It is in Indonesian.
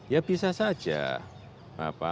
ya bisa saja